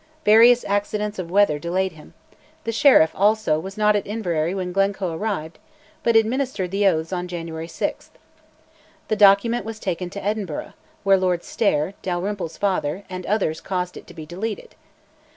Various accidents of weather delayed him; the Sheriff also was not at Inveraray when Glencoe arrived, but administered the oaths on January 6. The document was taken to Edinburgh, where Lord Stair, Dalrymple's father, and others caused it to be deleted.